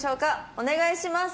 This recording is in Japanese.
お願いします。